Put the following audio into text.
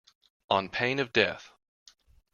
On pain of death.